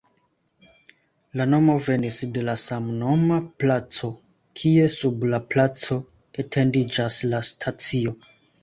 La nomo venis de la samnoma placo, kie sub la placo etendiĝas la stacio.